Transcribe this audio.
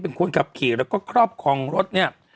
เป็นคุณกรับขี่ครอบครองรถ